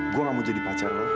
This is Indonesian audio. gua gak mau jadi pacar lu